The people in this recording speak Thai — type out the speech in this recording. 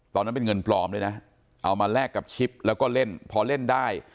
ตอนนั้นเป็นเงินปลอมด้วยนะเอามาแลกกับชิปแล้วก็เล่นพอเล่นได้